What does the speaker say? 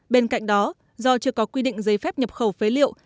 bên cạnh đó do chưa có quy định giấy phép nhập khẩu phế liệu